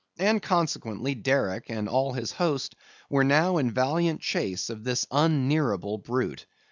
And consequently Derick and all his host were now in valiant chase of this unnearable brute.